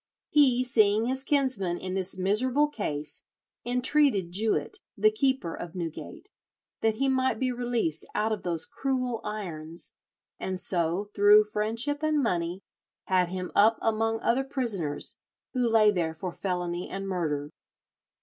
He, seeing his kinsman in this miserable case, entreated Jewet, the keeper of Newgate, that he might be released out of those cruel irons, and so, through friendship and money, had him up among other prisoners, who lay there for felony and murder."